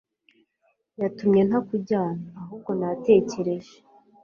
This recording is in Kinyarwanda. yatumye ntakujyana ahubwo natekereje